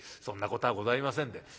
そんなことはございませんで。